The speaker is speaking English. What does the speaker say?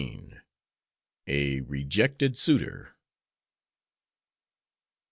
A REJECTED SUITOR.